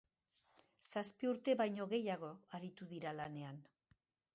Zazpi urte baino gehiago aritu dira lanean.